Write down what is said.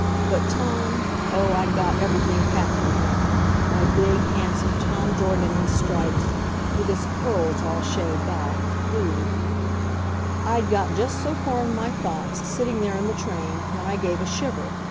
But Tom oh, I'd got everything pat for him my big, handsome Tom Dorgan in stripes with his curls all shaved off ugh! I'd got just so far in my thoughts, sitting there in the train, when I gave a shiver.